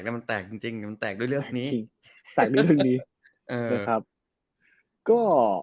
แต่มันแตกจริงจริงแต่มันแตกด้วยเรื่องนี้แตกด้วยเรื่องนี้เออ